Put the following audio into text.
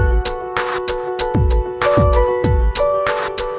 ข้อใช้หลายดวงสรุปการที่ที่สถานการณ์ไว้